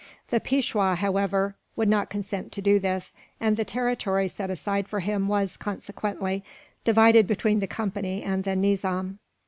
The Peishwa, however, would not consent to do this; and the territory set aside for him was, consequently, divided between the Company and the Nizam.